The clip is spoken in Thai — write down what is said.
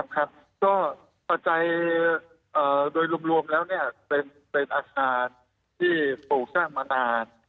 ครับก็ปัจจัยโดยรวมแล้วเป็นอาคารที่ปลูกสร้างมานาน